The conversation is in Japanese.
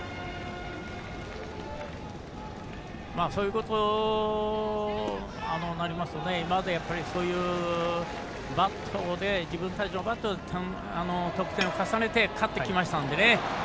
そういうことになりますと今まで自分たちのバットで得点を重ねて勝ってきましたのでね。